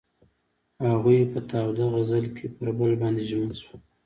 هغوی په تاوده غزل کې پر بل باندې ژمن شول.